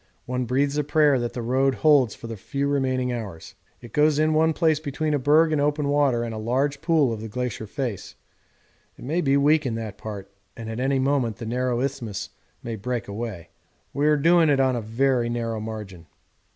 One breathes a prayer that the Road holds for the few remaining hours. It goes in one place between a berg in open water and a large pool of the glacier face it may be weak in that part, and at any moment the narrow isthmus may break away. We are doing it on a very narrow margin.